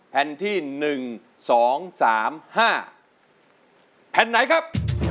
สู้ครับ